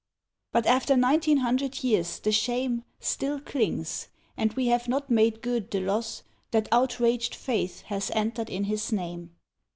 But after nineteen hundred years the shame Still clings, and we have not made good the loss That outraged faith has entered in his name.